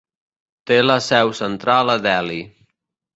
Té la seu central a Delhi.